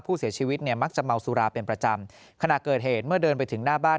ผู้เสียชีวิตเนี่ยมักจะเมาสุราเป็นประจำขณะเกิดเหตุเมื่อเดินไปถึงหน้าบ้าน